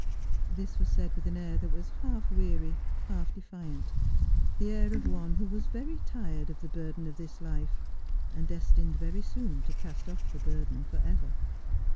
This was said with an air that was half weary, half defiant. The air of one who was very tired of the burden of this life, and destined very soon to cast off that burden for ever.